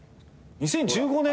２０１５年！？